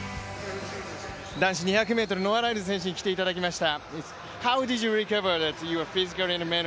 男子２００ｍ、ノア・ライルズ選手に来ていただきました。